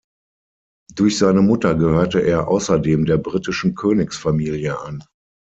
Durch seine Mutter gehörte er außerdem der britischen Königsfamilie an.